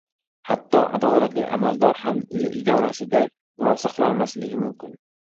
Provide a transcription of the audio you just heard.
• Hatto adolatli amaldor ham uy idorasida murosa qilolmasligi mumkin.